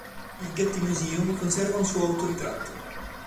Il Getty Museum conserva un suo autoritratto.